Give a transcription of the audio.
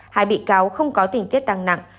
hai bị cáo không có tình tiết tăng nặng